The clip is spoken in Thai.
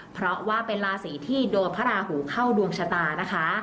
เพราะว่าเป็นราศีที่โดนพระราหูเข้าดวงชะตานะคะ